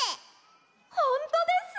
ほんとです。